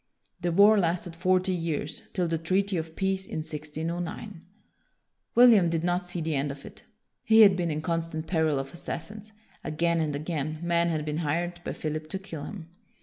The war lasted forty years, till the treaty of peace in 1609. William did not see the end of it. He had been in constant peril of assassins. Again and again, men had been hired by Philip to kill him.